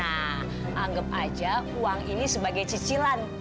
nah anggap aja uang ini sebagai cicilan